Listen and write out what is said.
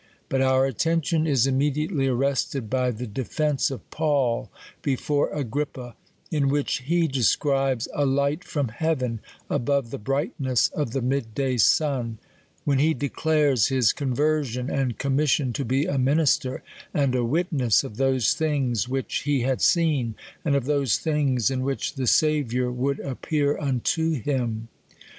But our attention is immediately arrested by the de fence of Paul before Agrippa ; in which he describes a light from heaven, above the brightness of the mid day sun ; when he declares his conversion, and commission to be a minister, and a witness of those things, which he had seen, and of those things, in which the Saviour would appear unto him.